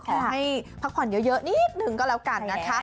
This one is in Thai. พักผ่อนเยอะนิดนึงก็แล้วกันนะคะ